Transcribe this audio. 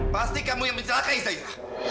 pasti kamu yang mencelakai saya